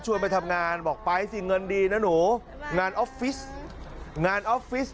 ไปทำงานบอกไปสิเงินดีนะหนูงานออฟฟิศงานออฟฟิศ